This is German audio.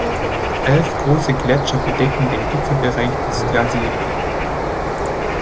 Elf große Gletscher bedecken den Gipfelbereich des Glacier Peak.